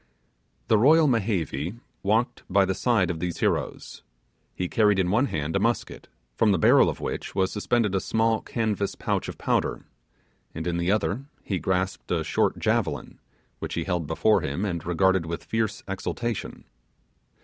The royal Mehevi walked by the side of these heroes. He carried in one hand a musket, from the barrel of which was suspended a small canvas pouch of powder, and in the other he grasped a short javelin, which he held before him and regarded with fierce exultation.